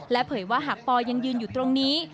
เผยว่าหากปอยังยืนอยู่ตรงนี้